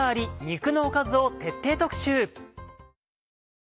肉のおかず」を徹底特集。